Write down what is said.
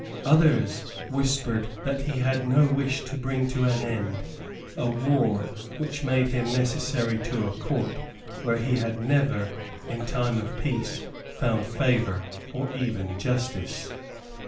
Others whispered that he had no wish to bring to an end a war which made him necessary to a Court where he had never, in time of peace, found favour or even justice.